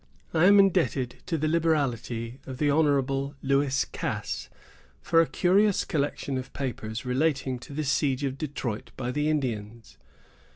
I am indebted to the liberality of Hon. Lewis Cass for a curious collection of papers relating to the siege of Detroit by the Indians.